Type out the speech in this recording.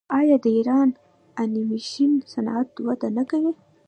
آیا د ایران انیمیشن صنعت وده نه کوي؟